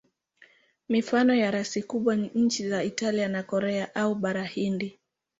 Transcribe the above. Mifano ya rasi kubwa ni nchi za Italia na Korea au Bara Hindi.